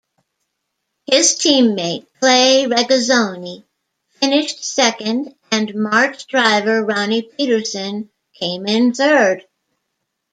His teammate Clay Regazzoni finished second and March driver Ronnie Peterson came in third.